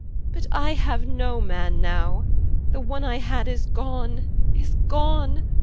But I Have no man now. The one I had, is gone, is gone.